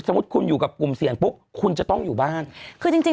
มุติคุณอยู่กับกลุ่มเสี่ยงปุ๊บคุณจะต้องอยู่บ้านคือจริงจริง